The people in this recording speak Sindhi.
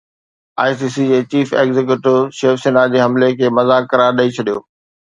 آءِ سي سي جي چيف ايگزيڪيوٽو شوسينا جي حملي کي مذاق قرار ڏئي ڇڏيو